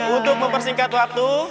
untuk mempersingkat waktu